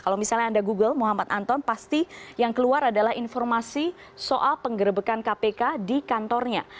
kalau misalnya anda google muhammad anton pasti yang keluar adalah informasi soal penggerbekan kpk di kantornya